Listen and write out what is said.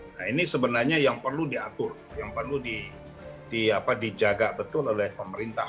nah ini sebenarnya yang perlu diatur yang perlu dijaga betul oleh pemerintah